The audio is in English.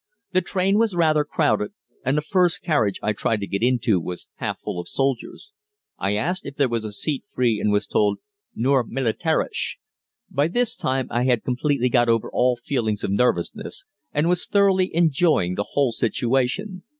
The train was rather crowded, and the first carriage I tried to get into was half full of soldiers. I asked if there was a seat free, and was told, "Nur militärisch." By this time I had completely got over all feelings of nervousness, and was thoroughly enjoying the whole situation.